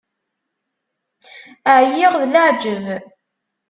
Ԑyiɣ d leεǧeb.